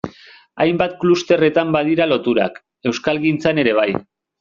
Hainbat klusterretan badira loturak, euskalgintzan ere bai...